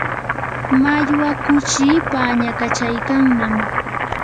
mallwa kuchii pañakachaykannam